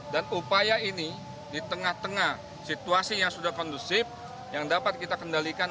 dan upaya ini di tengah tengah situasi yang sudah kondusif yang dapat kita kendalikan